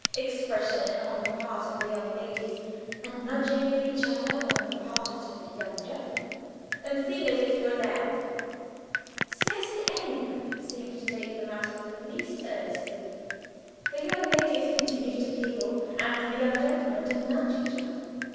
expression on the part of the young ladies; a nudging of each other on that of the young gentlemen), "and sing as if you were damned." Scarcely any one seemed to take the matter the least earnestly. The young ladies continued to giggle, and the young gentlemen to nudge each other.